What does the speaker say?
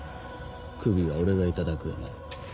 首は俺が頂くがな。